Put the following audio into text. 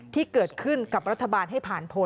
ที่เกิดขึ้นกับรัฐบาลให้ผ่านผล